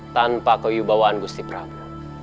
tanpa keyubawaan gusti prabu